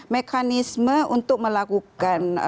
mekanisme untuk melakukan